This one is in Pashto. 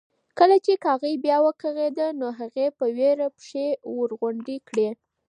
کله چې کاغۍ بیا وکغېده نو هغې په وېره پښې ورغونډې کړې.